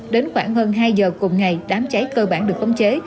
đến khoảng hơn hai giờ cùng ngày đám cháy cơ bản được khống chế